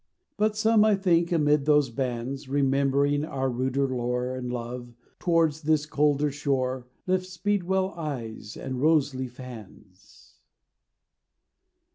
But some, I think, amid those bands, Remembering our ruder lore And love, towards this colder shore Lift speed well eyes and rose leaf hands.